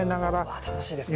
わ楽しいですね。